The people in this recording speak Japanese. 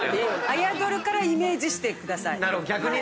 「あやどる」からイメージしてください。